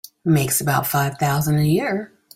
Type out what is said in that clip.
Makes about five thousand a year.